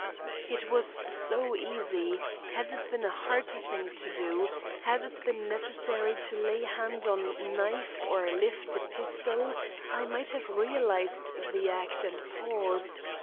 "It was so easy! Had it been a hard thing to do; had it been necessary to lay hand on knife or lift a pistol, I might have realized the act and paused.